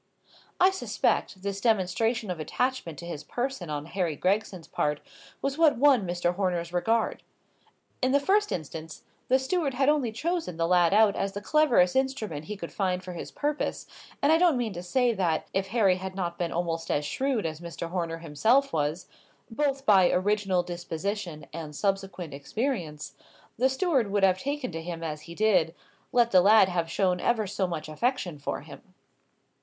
I suspect, this demonstration of attachment to his person on Harry Gregson's part was what won Mr. Horner's regard. In the first instance, the steward had only chosen the lad out as the cleverest instrument he could find for his purpose; and I don't mean to say that, if Harry had not been almost as shrewd as Mr. Horner himself was, both by original disposition and subsequent experience, the steward would have taken to him as he did, let the lad have shown ever so much affection for him.